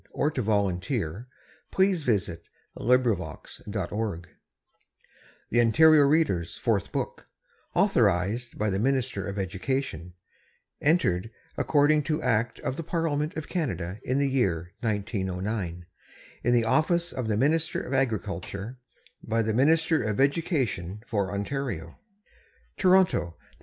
archive.org/details/OSIEontarioreadersfourth00miniuoft THE ONTARIO READERS FOURTH BOOK AUTHORIZED BY THE MINISTER OF EDUCATION Entered, according to Act of the Parliament of Canada, in the year 1909, in the office of the Minister of Agriculture by the Minister of Education for Ontario Toronto: The T.